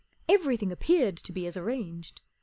Everything appeared to be as arranged.